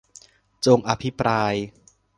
จงอภิปราย